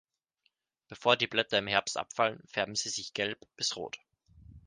Bevor die Blätter im Herbst abfallen, färben sie sich gelb bis rot.